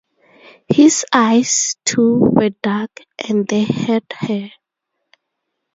His eyes, too, were dark, and they hurt her.